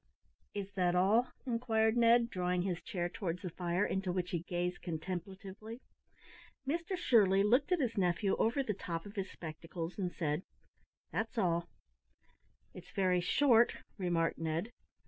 '" "Is that all?" inquired Ned, drawing his chair towards the fire, into which he gazed contemplatively. Mr Shirley looked at his nephew over the top of his spectacles, and said "That's all." "It's very short," remarked Ned.